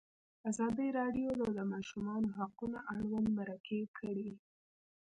ازادي راډیو د د ماشومانو حقونه اړوند مرکې کړي.